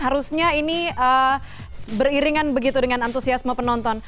harusnya ini beriringan begitu dengan antusiasme penonton